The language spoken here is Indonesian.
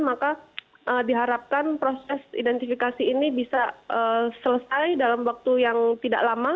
maka diharapkan proses identifikasi ini bisa selesai dalam waktu yang tidak lama